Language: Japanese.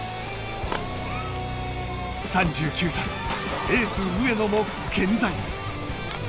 ３９歳、エース上野も健在。